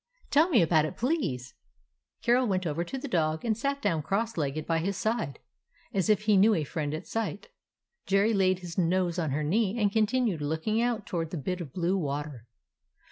"Tell me about it, please." Carol went over to the dog, and sat down cross legged by his side. As if he knew a friend at sight, Jerry laid his nose on her knee and continued looking out toward the bit of blue water.